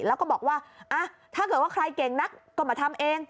แล้วก็บอกว่าถ้าเกิดว่าใครเก่งนักก็มาทำเอง